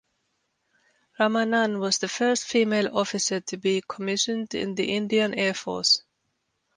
Ramanan was the first female officer to be commissioned in the Indian Air Force.